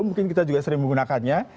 mungkin kita juga sering menggunakannya